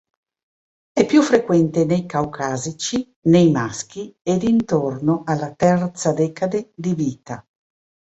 È più frequente nei caucasici, nei maschi ed intorno alla terza decade di vita.